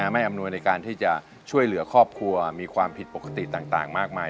อำนวยในการที่จะช่วยเหลือครอบครัวมีความผิดปกติต่างมากมาย